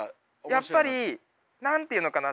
やっぱり何て言うのかな？